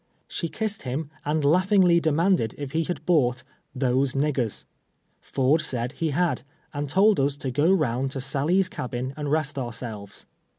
She kissed him, and laughingly demanded if he had bought " those nig gei s." Ford said he had, and told us to go round to Sally's cabin and rest ourselves.